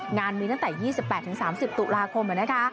งานมีตั้งแต่๒๘๓๐ตุลาคมนะคะ